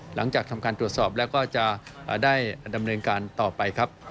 หลังจากทำการตรวจสอบแล้วก็จะได้ดำเนินการต่อไปครับ